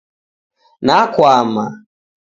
Nakwama